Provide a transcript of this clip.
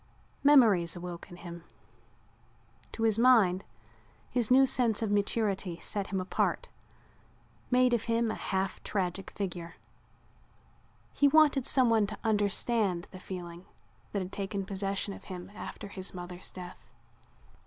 Memories awoke in him. To his mind his new sense of maturity set him apart, made of him a half tragic figure. He wanted someone to understand the feeling that had taken possession of him after his mother's death.